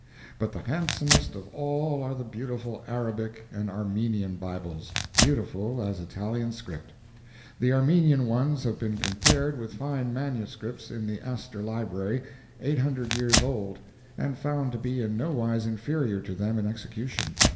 But the handsomest of all are the beautiful Arabic and Armenian Bibles, beautiful as Italian script. The Armenian ones have been compared with fine manuscripts in the Astor Library, 800 years old, and found to be in no wise inferior to them in execution.